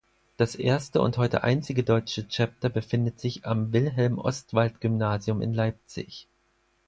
Das erste und heute einzige deutsche Chapter befindet sich am Wilhelm-Ostwald-Gymnasium in Leipzig.